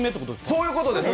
そういうことです。